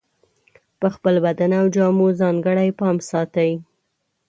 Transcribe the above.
په خپل بدن او جامو ځانګړی پام ساتي.